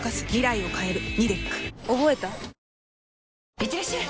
いってらっしゃい！